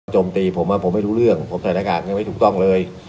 จมตีผมว่าผมไม่รู้เรื่องผมใส่หน้ากากยังไม่ถูกต้องเลย